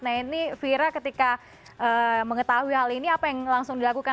nah ini fira ketika mengetahui hal ini apa yang langsung dilakukan